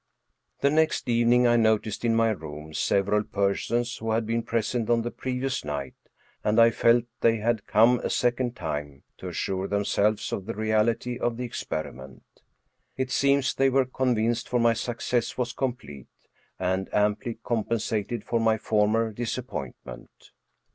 The next evening I noticed in my room several persons who had been present on the previous night, and I felt they had come a second time to assure themselves of the reality of the experiment. It seems they were convinced, for my success was complete, and amply compensated for my for mer disappointment.